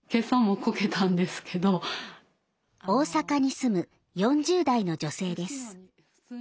大阪に住む４０代の女性です。